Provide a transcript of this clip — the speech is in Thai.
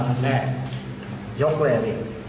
ของกิจกรรม